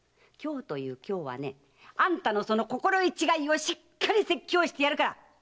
今日という今日はねあんたのその心得違いをしっかり説教してやるから。